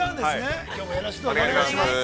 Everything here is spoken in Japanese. ◆きょうもよろしくお願いします。